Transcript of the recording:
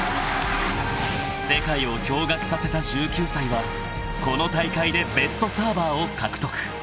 ［世界を驚愕させた１９歳はこの大会でベストサーバーを獲得］